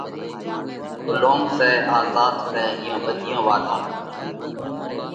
ڳلوم سئہ آزاڌ سئہ، اِيئون ٻڌِيون واتون ۾